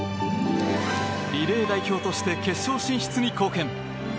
リレー代表として決勝進出に貢献。